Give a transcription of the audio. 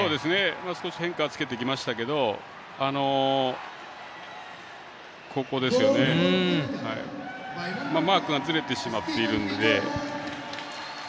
少し変化つけてきましたけどマークがずれてしまっているので。